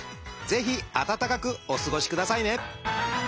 ぜひ温かくお過ごしくださいね！